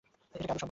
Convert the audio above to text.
এটা কি আদৌ সম্ভব?